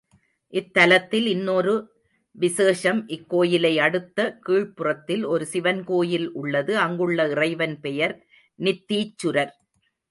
இத்தலத்தில் இன்னொரு விசேஷம், இக்கோயிலை அடுத்த கீழ்புறத்தில் ஒரு சிவன் கோயில் உள்ளது அங்குள்ள இறைவன் பெயர் நித்தீச்சுரர்.